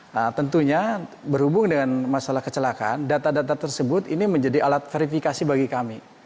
nah tentunya berhubung dengan masalah kecelakaan data data tersebut ini menjadi alat verifikasi bagi kami